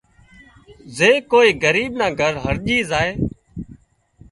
زي ڪوئي ڳريٻ نان گھر هرڄي زائي